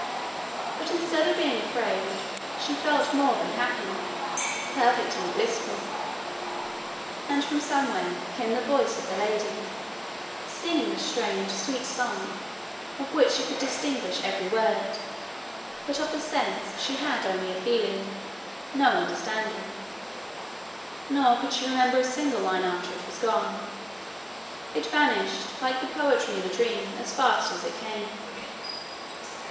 But instead of being afraid, she felt more than happy perfectly blissful. And from somewhere came the voice of the lady, singing a strange sweet song, of which she could distinguish every word; but of the sense she had only a feeling no understanding. Nor could she remember a single line after it was gone. It vanished, like the poetry in a dream, as fast as it came.